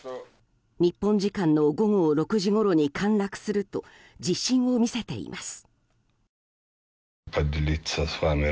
日本時間の午後６時ごろに陥落すると自信を見せています。